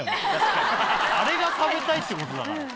「あれが食べたい」ってことだから。